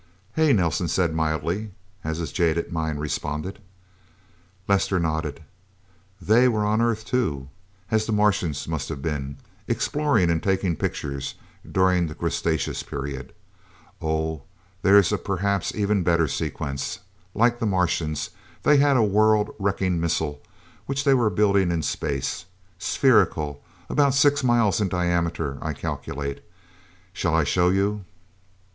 "Hey!" Nelsen said mildly, as his jaded mind responded. Lester nodded. "They were on Earth, too as the Martians must have been exploring and taking pictures, during the Cretaceous Period. Oh, but there's a perhaps even better sequence! Like the Martians, they had a world wrecking missile, which they were building in space. Spherical. About six miles in diameter, I calculate. Shall I show you?"